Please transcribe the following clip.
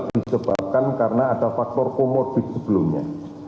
disebabkan karena ada faktor komorbid sebelumnya